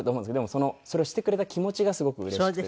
でもそれをしてくれた気持ちがすごくうれしくてですね。